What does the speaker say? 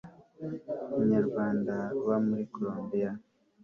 umunyarwanda uba muri corombiya